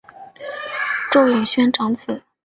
邹永煊长子。